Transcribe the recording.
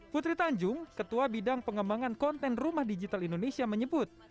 putri tanjung ketua bidang pengembangan konten rumah digital indonesia menyebut